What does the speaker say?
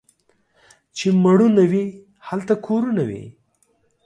چي مړونه وي ، هلته کورونه وي.